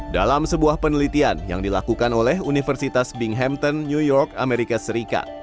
dalam sebuah penelitian yang dilakukan oleh universitas binghamton new york amerika serikat